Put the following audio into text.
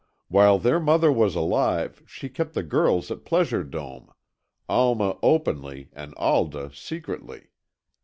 While their mother was alive she kept the girls at Pleasure Dome, Alma openly and Alda secretly.